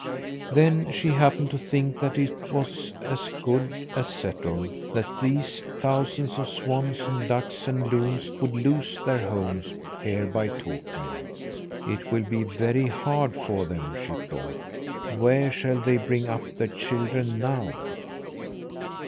Then she happened to think that it was as good as settled that these thousands of swans and ducks and loons would lose their homes here by Takern. "It will be very hard for them," she thought. "Where shall they bring up their children now?"